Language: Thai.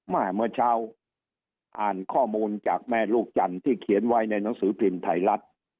เมื่อเช้าอ่านข้อมูลจากแม่ลูกจันทร์ที่เขียนไว้ในหนังสือพิมพ์ไทยรัฐ